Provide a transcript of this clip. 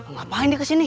ngapain di kesini